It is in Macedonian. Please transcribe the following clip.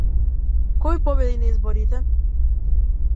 Кој победи на изборите?